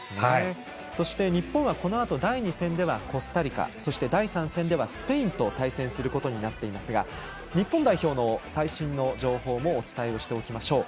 そして、日本はこのあと第２戦ではコスタリカそして第３戦ではスペインと対戦しますが日本代表の最新の情報もお伝えしておきましょう。